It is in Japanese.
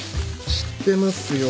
知ってますよ。